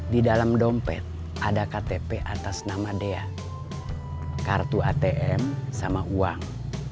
di dalam dompet ada ktp atas nama dea kartu atm sama uang